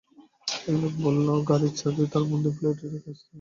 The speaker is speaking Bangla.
অ্যালেক বলল গাড়ির চাবি তার বন্ধুর ফ্ল্যাটে রেখে আসতে হবে।